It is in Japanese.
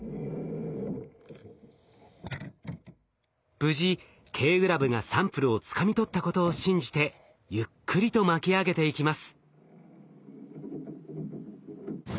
無事Ｋグラブがサンプルをつかみ取ったことを信じてゆっくりと巻き上げていきます。